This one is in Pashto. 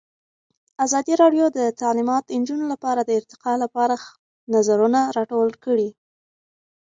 ازادي راډیو د تعلیمات د نجونو لپاره د ارتقا لپاره نظرونه راټول کړي.